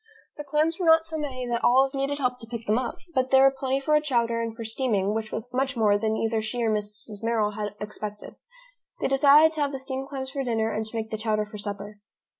The clams were not so many that Olive needed help to pick them up, but there were plenty for a chowder and for steaming, which was much more than either she or Mrs. Merrill had expected. They decided to have the steamed clams for dinner and to make the chowder for supper.